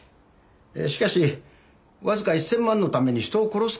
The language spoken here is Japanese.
しかしわずか１０００万のために人を殺すかね？